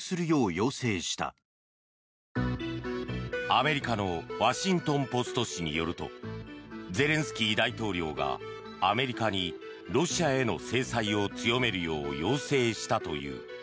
アメリカのワシントン・ポスト紙によるとゼレンスキー大統領がアメリカにロシアへの制裁を強めるよう要請したという。